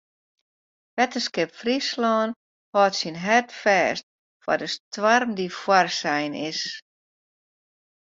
Wetterskip Fryslân hâldt syn hart fêst foar de stoarm dy't foarsein is.